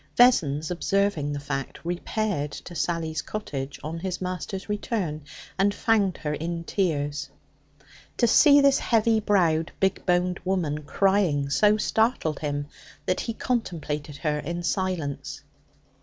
Vessons, observing the fact, repaired to Sally's cottage on his master's return, and found her in tears. To see this heavy browed, big boned woman crying so startled him that he contemplated her in silence.